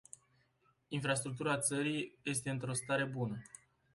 Infrastructura țării este într-o stare bună.